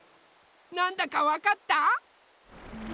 なんだかわかった？